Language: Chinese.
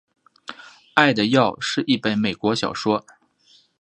爱的药是一本美国小说。